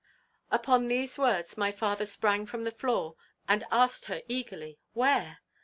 Upon these words, my father sprung from the floor, and asked her eagerly, where?